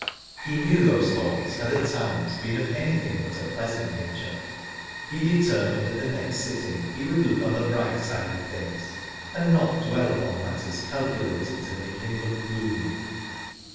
. He knew those thoughts had at times been of anything but a pleasant nature. He determined at the next sitting he would look on the bright side of things, and not dwell upon matters cal culated to make him look gloomy.